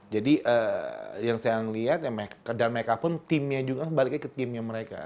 jadi yang saya lihat dan mereka pun timnya juga kembali ke timnya mereka